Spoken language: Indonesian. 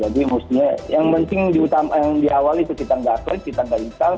jadi yang penting di awal itu kita tidak klik kita tidak install